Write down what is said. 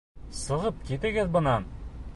Сығып китегеҙ бынан!